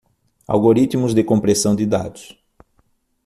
Algoritmos de compressão de dados.